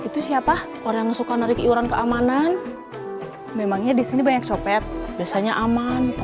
jangan sampai kecopetan